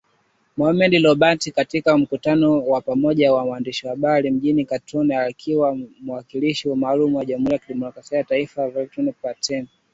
Mohamed Lebatt katika mkutano wa pamoja na waandishi wa habari mjini Khartoum akiwa na mwakilishi maalum wa Jumuiya ya mataifa, Volker Perthes.